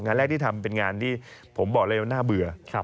งานแรกที่ทำเป็นงานที่ผมบอกเลยว่าน่าเบื่อ